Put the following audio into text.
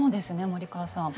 森川さん。